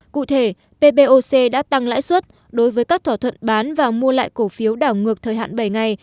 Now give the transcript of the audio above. cụ thể ppoc đã tăng lãi suất đối với các thỏa thuận bán và mua lại cổ phiếu đảo ngược thời hạn bảy ngày